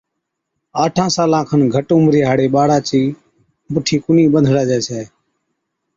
آٺان سالان کن گھٽ عمرِي ھاڙي ٻاڙا چِي بُٺِي ڪونھِي ٻنڌڙاجَي ڇَي۔